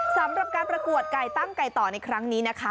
สำหรับการประกวดไก่ตั้งไก่ต่อในครั้งนี้นะคะ